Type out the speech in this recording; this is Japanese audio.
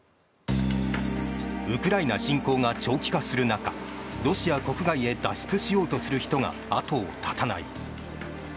ウクライナ侵攻が長期化する中ロシア国外へ脱出しようとする人が後を絶たない。